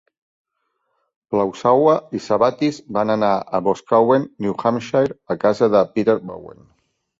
Plausawa i Sabattis van anar a Boscawen, New Hampshire, a casa de Peter Bowen.